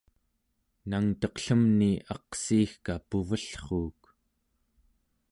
nangteqlemni aqsiigka puvellruuk